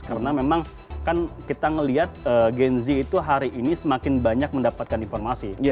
karena memang kan kita ngelihat gen z itu hari ini semakin banyak mendapatkan informasi